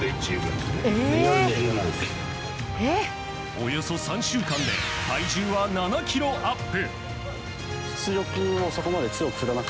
およそ３週間で体重は７ｋｇアップ。